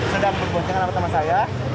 sedang berbocoran sama teman saya